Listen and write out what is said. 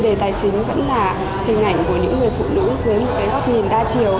đề tài chính vẫn là hình ảnh của những người phụ nữ dưới một cái góc nhìn đa chiều